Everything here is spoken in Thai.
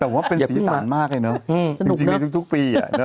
แต่ผมว่าเป็นศีรษะมากเลยเนอะจริงทุกปี